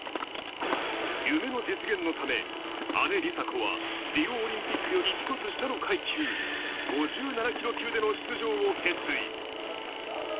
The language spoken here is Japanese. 夢の実現のため、姉、梨紗子はりおおりんぴっくより１つ下の階級、５７キロ級での出場を決意。